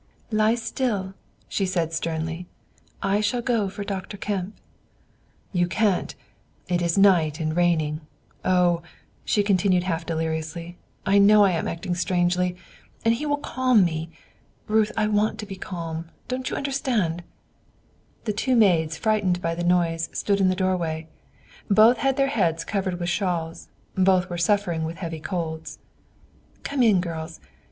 "Lie still," she said sternly; "I shall go for Dr. Kemp." "You can't; it is night and raining. Oh," she continued, half deliriously, "I know I am acting strangely, and he will calm me. Ruth, I want to be calm; don't you understand?" The two maids, frightened by the noise, stood in the doorway. Both had their heads covered with shawls; both were suffering with heavy colds. "Come in, girls.